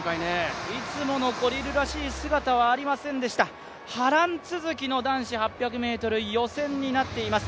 いつものコリルらしい姿はありませんでした、波乱続きの男子８００ｍ予選になっています。